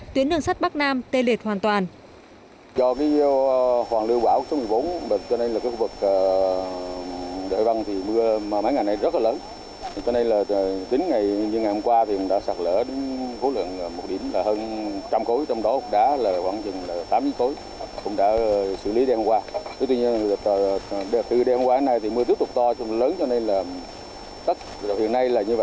tuyến đường sắt bắc nam tê liệt hoàn toàn